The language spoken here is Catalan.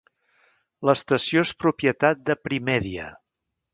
L'estació és propietat de Primedia.